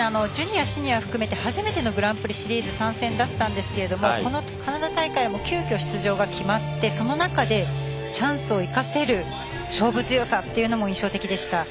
ジュニア、シニア含めて初めてのグランプリシリーズ参戦だったんですがカナダ大会も急きょ出場が決まりその中でチャンスを生かせる勝負強さも印象的でした。